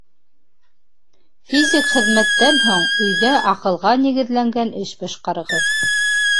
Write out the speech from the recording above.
Физик хеҙмәттән һуң өйҙә аҡылға нигеҙләнгән эш башҡарығыҙ.